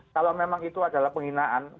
kalau memang itu adalah penghinaan